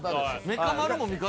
メカ丸も味方。